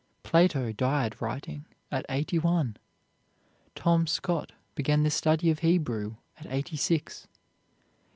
Plato died writing, at eighty one. Tom Scott began the study of Hebrew at eighty six.